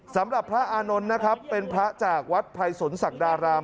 สำหรับพระอานนท์นะครับเป็นพระจากวัดไพรสนศักดาราม